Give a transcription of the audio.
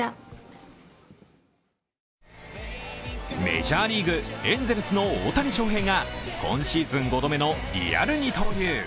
メジャーリーグ、エンゼルスの大谷翔平が今シーズン５度目のリアル二刀流。